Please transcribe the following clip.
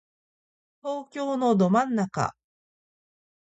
東京のど真ん中